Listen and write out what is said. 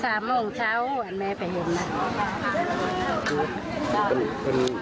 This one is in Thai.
แข็งแรงไม่ผิดคุ้นทำงานคุ้น